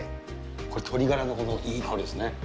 これ、鶏ガラのいい香りですね。